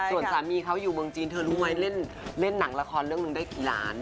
ส่วนสามีเขาอยู่เมืองจีนเธอรู้ไหมเล่นหนังละครเรื่องหนึ่งได้กี่ล้าน